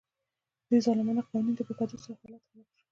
دې ظالمانه قوانینو ته په کتو سره حالت خراب شو